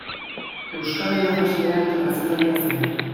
Euskara irakaslea eta kazetaria zen.